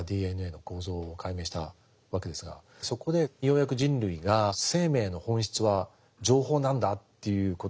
ＤＮＡの構造を解明したわけですがそこでようやく人類が生命の本質は情報なんだということに気付いたんですよね。